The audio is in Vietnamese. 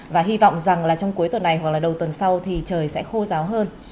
và hy vọng rằng là trong cuối tuần này hoặc là đầu tuần sau thì trời sẽ khô ráo hơn